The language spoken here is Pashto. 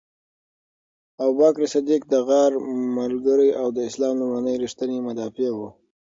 ابوبکر صدیق د غار ملګری او د اسلام لومړنی ریښتینی مدافع و.